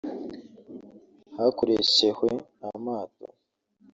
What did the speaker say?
hakoreshehwe amato